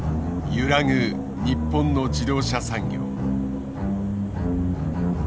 揺らぐ日本の自動車産業。